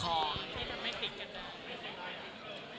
ที่ทำไมคลิกกันแต่ไม่ใช่สนิท